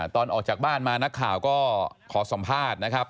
ตอนออกจากบ้านมานักข่าวก็ขอสัมภาษณ์นะครับ